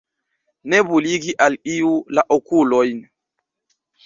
Nebuligi al iu la okulojn.